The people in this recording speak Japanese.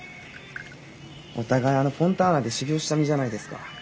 お互いあのフォンターナで修業した身じゃないですか。